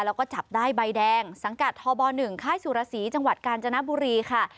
แล้วก็จับได้ใบแดงสังกัดทบ๑ค่ายสุรสีจังหวัดกาญจนบุรีค่ะ